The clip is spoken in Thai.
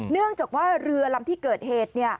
เนื่องจากว่าเรือลำที่เกิดเหตุ